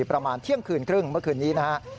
ประมาณเที่ยงคืนครึ่งเมื่อคืนนี้นะครับ